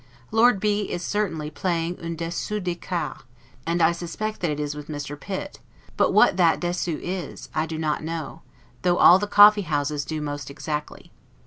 Lord B is certainly playing 'un dessous de cartes', and I suspect that it is with Mr. Pitt; but what that 'dessous' is, I do not know, though all the coffeehouses do most exactly.